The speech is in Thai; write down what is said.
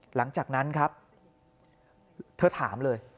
หลังจากนั้นครับเธอถามเลย